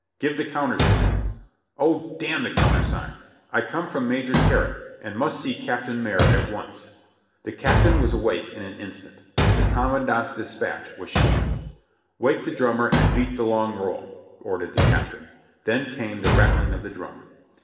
"Give the countersign." "Oh, d — n the countersign ! I come from Major Terrett, and must see Captain Marye at once." The Captain was awake in an instant. The commandant's dis patch was short. "Wake the drummer, and beat the long roll," ordered the Cap tain. Then came the rattling of the drum.